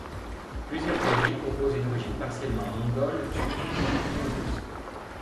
Plusieurs théories proposent une origine partiellement mongole, turque ou toungouse.